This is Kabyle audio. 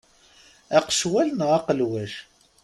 Aqecwal neɣ aqelwac?